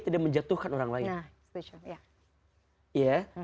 tidak menjatuhkan orang lain